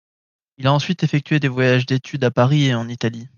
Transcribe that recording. Il a ensuite effectué des voyages d'étude à Paris et en Italie.